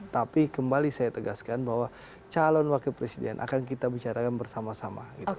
tapi kembali saya tegaskan bahwa calon wakil presiden akan kita bicarakan bersama sama